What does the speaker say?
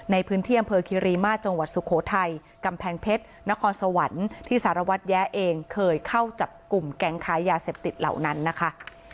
นครสวรรค์ที่สารวัตย์แย้เองเคยเข้าจับกลุ่มแก่งค้ายาเสพติดเหล่านั้นนะคะ